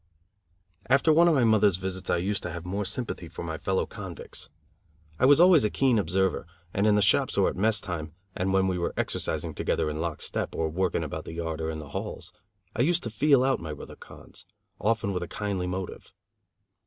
After one of my mothers visits I used to have more sympathy for my fellow convicts. I was always a keen observer, and in the shops or at mess time, and when we were exercising together in lock step, or working about the yard or in the halls, I used to "feel out" my brother "cons," often with a kindly motive.